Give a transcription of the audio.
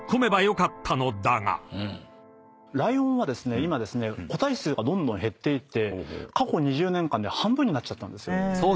今個体数がどんどん減っていって過去２０年間で半分になっちゃったんです」